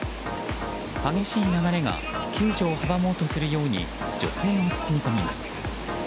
激しい流れが救助を阻もうとするように女性を包み込みます。